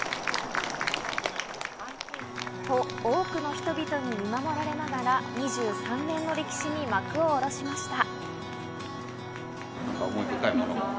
と、多くの人々に見守られながら、２３年の歴史に幕を下ろしました。